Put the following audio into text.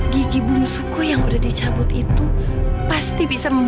gigi bungsuku yang sudah dicabut itu pasti bisa membunuh